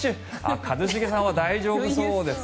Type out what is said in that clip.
一茂さんは大丈夫そうですね。